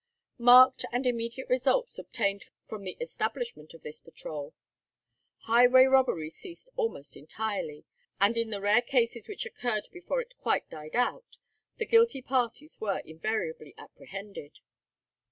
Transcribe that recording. Marked and immediate results obtained from the establishment of this patrol. Highway robbery ceased almost entirely, and in the rare cases which occurred before it quite died out, the guilty parties were invariably apprehended.